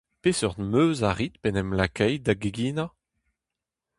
Peseurt meuz a rit p'en em lakait da geginañ ?